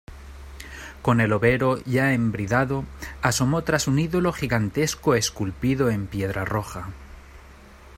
con el overo ya embridado asomó tras un ídolo gigantesco esculpido en piedra roja.